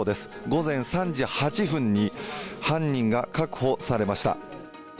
午前３時８分に犯人が確保されました。